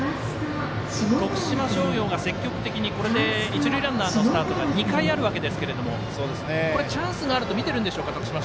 徳島商業が積極的に一塁ランナーのスタートが２回あるわけですけどチャンスがあると見ているんでしょうか。